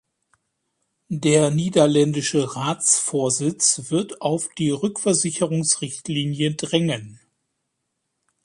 Der niederländische Ratsvorsitz wird auf die Rückversicherungsrichtlinie drängen.